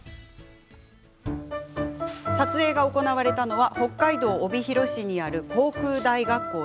撮影が行われたのは北海道・帯広市にある航空大学校。